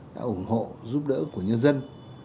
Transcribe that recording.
đã ủng hộ giúp đỡ của nhân dân